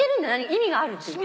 意味があるっていうか。